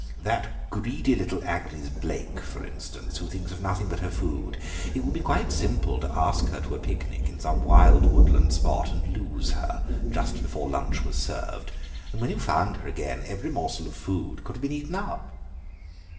That greedy little Agnes Blaik, for instance, who thinks of nothing but her food, it would be quite simple to ask her to a picnic in some wild woodland spot and lose her just before lunch was served; when you found her again every morsel of food could have been eaten up."